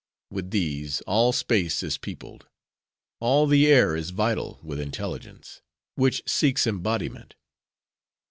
With these, all space is peopled;—all the air is vital with intelligence, which seeks embodiment.